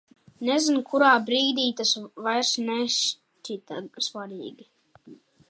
Nezinu, kurā brīdī tas vairs nešķita svarīgi.